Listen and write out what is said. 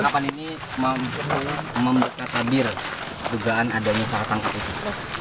penangkapan ini mampu membuka tabir dugaan adanya salah tangkap itu